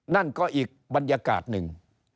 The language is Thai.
นั่นก็อีกบรรยากาศหนึ่ง